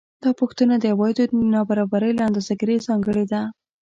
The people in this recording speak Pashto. دا پوښتنه د عوایدو د نابرابرۍ له اندازه ګیرۍ ځانګړې ده